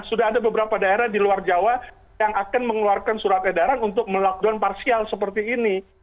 sudah ada beberapa daerah di luar jawa yang akan mengeluarkan surat edaran untuk melockdown parsial seperti ini